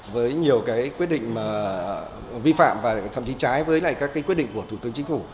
với nhiều cái quyết định vi phạm và thậm chí trái với các quyết định của thủ tướng chính phủ